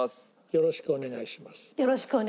よろしくお願いします。